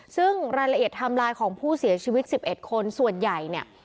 ซึ่งรายละเอียดไทม์ไลน์ของผู้เสียชีวิต๑๑คนส่วนใหญ่เนี่ย